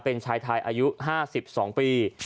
เป็นชายไทยอายุ๕๒ปี